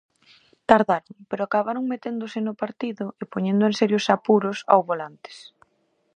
Tardaron, pero acabaron meténdose no partido e poñendo en serios apuros ao Volantes.